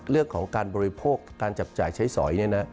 เรื่องของการบริโภคการจับจ่ายใช้สอย